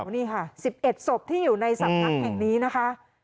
นี่ค่ะ๑๑ศพที่อยู่ในสำนักแห่งนี้นะคะ